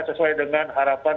sesuai dengan harapan